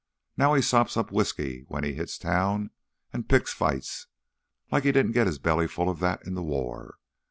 Now he sops up whisky when he hits town an' picks fights, like he didn't git his belly full of that in th' war.